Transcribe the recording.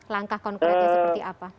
langkah konkretnya seperti apa